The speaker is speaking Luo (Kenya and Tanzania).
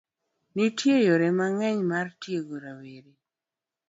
Nitie yore mang'eny mar tiego rawere.